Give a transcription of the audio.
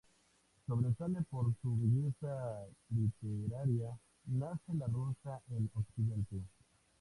Sobresale por su belleza literaria "Nace la rosa en occidente.